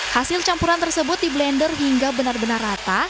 hasil campuran tersebut di blender hingga benar benar rata